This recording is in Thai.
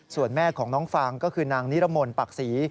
ส่วนแม่ของน้องฟางก็คือนางนิรมนต์ปักศรี